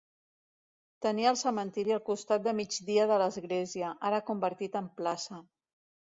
Tenia el cementiri al costat de migdia de l'església, ara convertit en plaça.